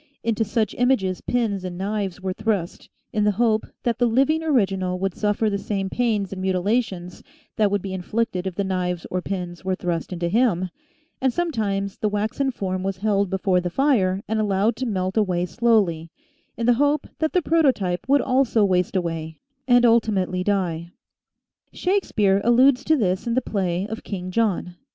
Into such images pins and knives were thrust in the hope that the living original would suffer the same pains and mutilations that would be inflicted if the knives or pins were thrust into him, and sometimes the waxen form was held before the fire and 114 THE SEVEN FOLLIES OF SCIENCE allowed to melt away slowly in the hope that the prototype would also waste away, and ultimately die. Shakespeare alludes to this in the play of King John.